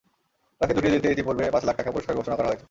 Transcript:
তাঁকে ধরিয়ে দিতে ইতিপূর্বে পাঁচ লাখ টাকা পুরস্কার ঘোষণা করা হয়েছে।